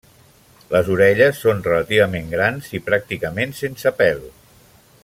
Les orelles són relativament grans i pràcticament sense pèl.